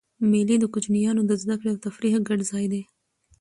مېلې د کوچنيانو د زدهکړي او تفریح ګډ ځای دئ.